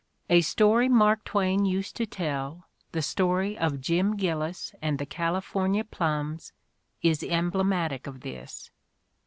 A story Mark Twain used to tell, the story of Jim Gillis and the California plums, is emblematic of this.